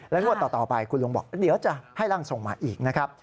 งวดต่อไปคุณลุงบอกเดี๋ยวจะให้ร่างทรงมาอีกนะครับ